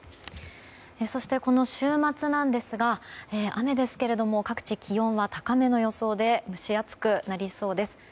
そして、この週末なんですが雨ですけれども各地、気温は高めの予想で蒸し暑くなりそうです。